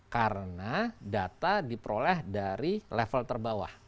karena data diperoleh dari level terbawah